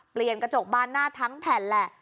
เปลี่ยนกระจกบานหน้าทั้งแผ่นแหละ